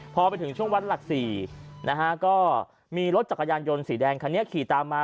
พอไปถึงช่วงวัดหลัก๔นะฮะก็มีรถจักรยานยนต์สีแดงคันนี้ขี่ตามมา